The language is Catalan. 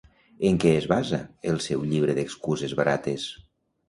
En què es basa el seu llibre Excuses barates?